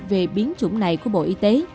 về biến chủng này của bộ y tế